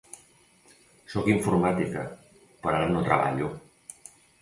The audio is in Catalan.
Soc informàtica, però ara no treballo.